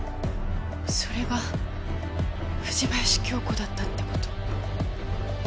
それが藤林経子だったって事？